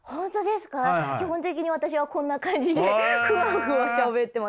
基本的に私はこんな感じでフワフワしゃべってますね。